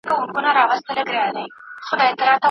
بلبلکي کوچېدلي ګلغوټۍ دي رژېدلي